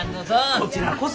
こちらこそ。